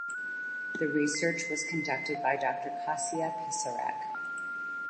The research was conducted by Doctor Kasia Pisarek.